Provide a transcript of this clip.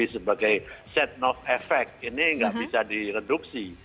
sebagai set of effect ini nggak bisa direduksi